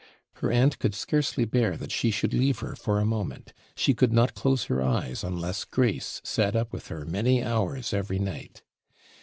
Her aunt could scarcely bear that she should leave her for a moment: she could not close her eyes unless Grace sat up with her many hours every night.